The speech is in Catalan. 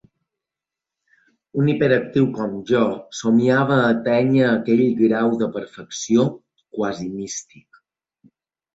Un hiperactiu com jo somiava atènyer aquell grau de perfecció quasi místic.